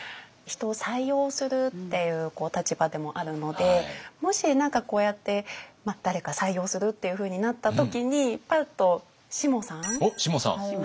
人を採用するっていう立場でもあるのでもし何かこうやって誰か採用するっていうふうになった時にパッとしもさん。